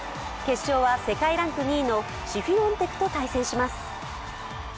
決勝は世界ランク２位のシフィオンテクと対戦します。